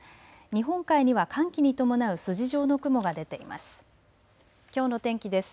日本海には寒気に伴う筋状の雲が出ています。